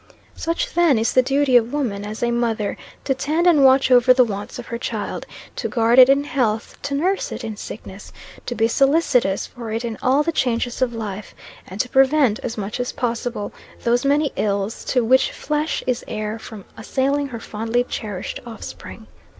Such then is the duty of woman as a mother to tend and watch over the wants of her child, to guard it in health, to nurse it in sickness, to be solicitous for it in all the changes of life, and to prevent, as much as possible, those many ills to which flesh is heir from assailing her fondly cherished offspring.